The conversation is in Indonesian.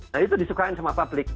nah itu disukain sama publik